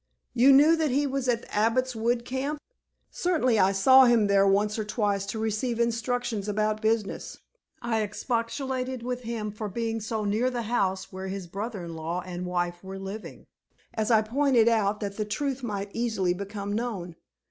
"You knew that he was at the Abbot's Wood camp?" "Certainly. I saw him there once or twice to receive instructions about business. I expostulated with him for being so near the house where his brother in law and wife were living, as I pointed out that the truth might easily become known.